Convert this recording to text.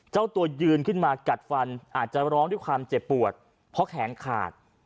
เจ้าตัวยืนขึ้นมากัดฟันอาจจะร้องด้วยความเจ็บปวดเพราะแขนขาด